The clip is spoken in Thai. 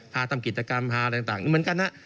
ทำกิจกรรมพาอะไรต่างเหมือนกันฮะ